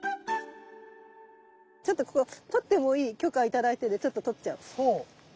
ちょっとここ取ってもいい許可頂いてるのでちょっと取っちゃおう。